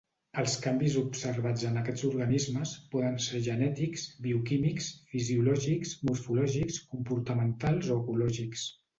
Els canvis observats en aquests organismes, poden ser genètics, bioquímics, fisiològics, morfològics, comportamentals o ecològics.